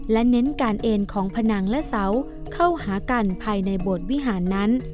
และเน้นการเอ็นของพนังและเสาเข้าหากันภายในโบสถ์วิหารนั้น